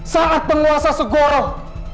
saat penguasa segoroh